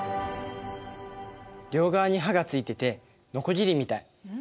両側に刃がついててのこぎりみたい。